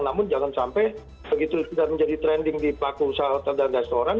namun jangan sampai begitu sudah menjadi trending di pelaku usaha hotel dan restoran